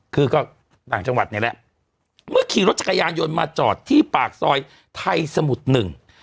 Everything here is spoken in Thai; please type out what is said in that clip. คือก็ต่างจังหวัดนี่แหละเมื่อขี่รถจักรยานยนต์มาจอดที่ปากซอยไทยสมุทรหนึ่ง